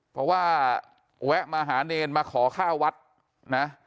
เพราะว่าแวะมาหาเนรมาขอข้าววัดนะ